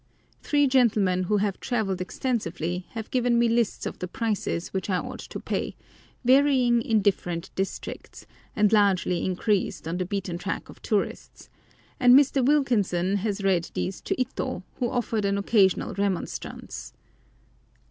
Three gentlemen who have travelled extensively have given me lists of the prices which I ought to pay, varying in different districts, and largely increased on the beaten track of tourists, and Mr. Wilkinson has read these to Ito, who offered an occasional remonstrance.